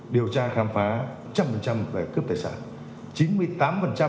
điều tra khám phá một trăm linh về cướp tài sản